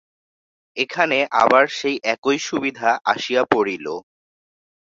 এখানে আবার সেই একই অসুবিধা আসিয়া পড়িল।